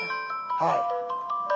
はい。